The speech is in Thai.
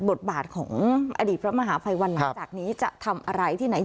บทบาทของอดีตพระมหาภัยวันหลังจากนี้จะทำอะไรที่ไหน